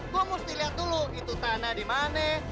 gue mesti lihat dulu itu tanah di mana